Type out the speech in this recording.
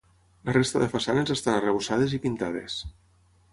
La resta de façanes estan arrebossades i pintades.